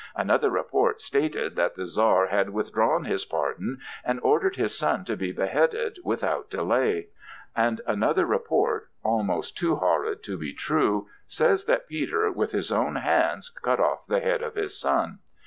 Another report stated that the Czar had withdrawn his pardon and ordered his son to be beheaded without delay. And still another report, almost too horrid to be true, says that Peter, with his own hands, cut off the head of his son.